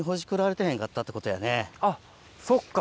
あっそっか。